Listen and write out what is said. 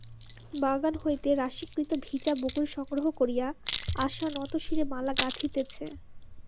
বাগান হইতে রাশীকৃত ভিজা বকুল সংগ্রহ করিয়া আশা নতশিরে মালা গাঁথিতেছে।